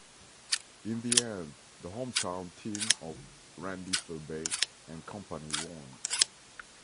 In the end, the home town team of Randy Ferbey and company won.